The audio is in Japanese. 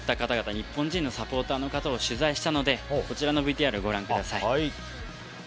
日本人のサポーターの方を取材したのでこちらのＶＴＲをご覧ください。